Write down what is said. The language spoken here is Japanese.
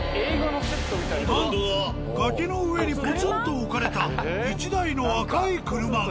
なんと崖の上にポツンと置かれた１台の赤い車が。